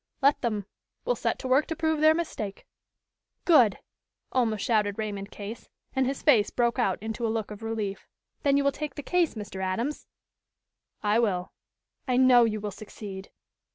"Let them. We'll set to work to prove their mistake." "Good!" almost shouted Raymond Case, and his face broke out into a look of relief. "Then you will take the case, Mr. Adams?" "I will." "I know you will succeed."